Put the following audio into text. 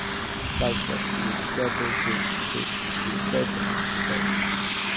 Parts of two gable fields could be saved and stored.